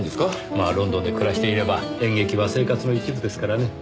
まあロンドンで暮らしていれば演劇は生活の一部ですからね。